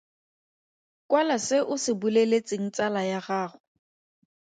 Kwala se o se boleletseng tsala ya gago.